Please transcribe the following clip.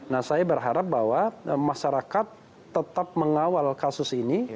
nah saya berharap bahwa masyarakat tetap mengawal kasus ini